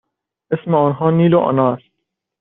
اسم آنها نیل و آنا است.